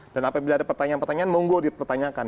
dan apabila ada pertanyaan pertanyaan monggo dipertanyakan